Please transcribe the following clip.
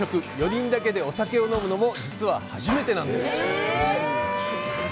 ４人だけでお酒を飲むのも、実は初めてなんです。